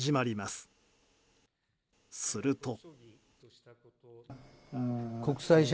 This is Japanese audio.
すると。